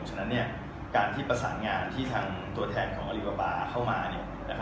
ฉะนั้นเนี่ยการที่ประสานงานที่ทางตัวแทนของอลิวาบาเข้ามาเนี่ย